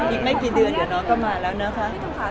อีกไม่กี่เดือนเดี๋ยวน้องก็มาแล้วนะคะ